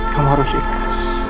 kamu harus ikhlas